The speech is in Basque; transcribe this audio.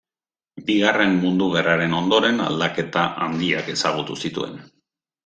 Bigarren Mundu Gerraren ondoren aldaketa handiak ezagutu zituen.